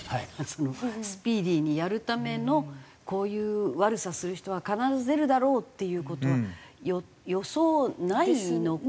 スピーディーにやるためのこういう悪さする人は必ず出るだろうっていう事は予想内の事で。